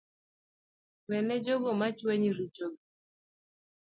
Wene jogo machuanyi richogi